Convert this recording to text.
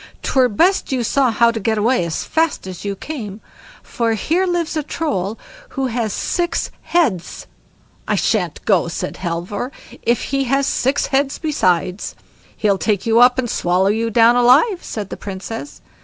'Twere best you saw how to get away as fast as you came; for here lives a Troll, who has six heads." "I shan't go", said Halvor, "if he has six heads besides." "He'll take you up and swallow you down alive", said the Princess.